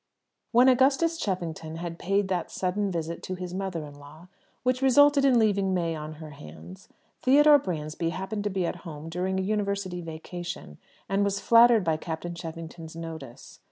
When Augustus Cheffington had paid that sudden visit to his mother in law which resulted in leaving May on her hands, Theodore Bransby happened to be at home during a University vacation, and was flattered by Captain Cheffington's notice.